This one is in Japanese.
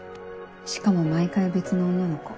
しかも毎回別の女の子。